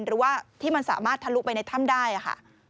หรือว่าที่มันสามารถทะลุไปในถ้ำได้ค่ะ